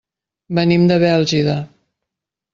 Venim de Bèlgida.